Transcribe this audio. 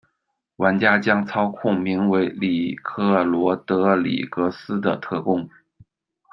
玩家将操控名为里科·罗德里格斯的特工。